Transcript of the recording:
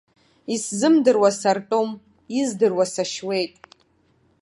Исзымдыруа сартәом, издыруа сашьуеит.